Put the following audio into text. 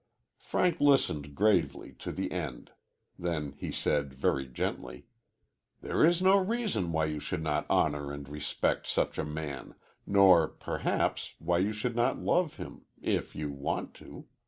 Frank listened gravely to the end. Then he said, very gently: "There is no reason why you should not honor and respect such a man, nor, perhaps, why you should not love him if you want to.